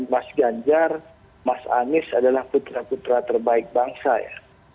mas ganjar mas anies adalah putra putra terbaik bangsa ya